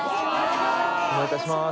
お邪魔いたします